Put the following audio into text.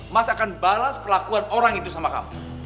mas akan balas perlakuan orang itu sama kamu